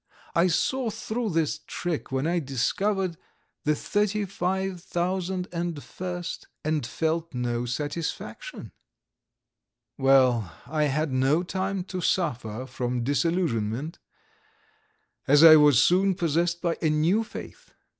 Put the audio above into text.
I saw through this trick when I discovered the 35,001 st and felt no satisfaction. Well, I had no time to suffer from disillusionment, as I was soon possessed by a new faith.